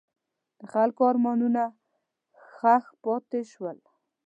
د خلکو ارمانونه ښخ پاتې شول.